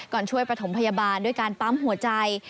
ช่วยประถมพยาบาลด้วยการปั๊มหัวใจ